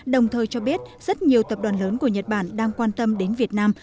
đồng thời cho biết rất nhiều tập đoàn lớn của nhật bản đang quan tâm đến việt nam